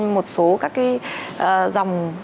một số các cái dòng